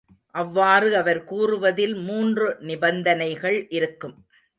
அவ்வாறு அவர் கூறுவதில் மூன்று நிபந்தனைகள் இருக்கும்.